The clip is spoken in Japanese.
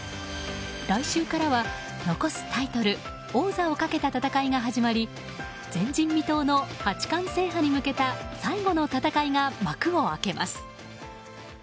来週からは残すタイトル王座をかけた戦いが始まり前人未到の八冠制覇に向けた最後の戦いが幕を開けます。